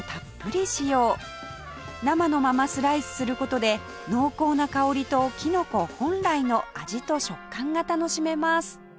生のままスライスする事で濃厚な香りときのこ本来の味と食感が楽しめます